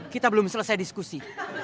kita belum selesai diskusi